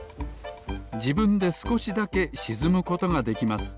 じぶんですこしだけしずむことができます